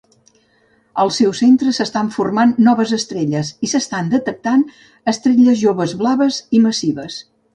Al seu centre s'estan formant noves estrelles i s'han detectat estrelles joves blaves i massives.